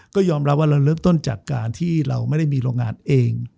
ก็ยอมรับว่าเราเริ่มต้นจากการที่เราไม่ได้มีโรงงานเอง